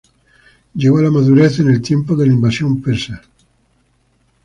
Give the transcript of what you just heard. Llegó a la madurez en el tiempo de la invasión persa.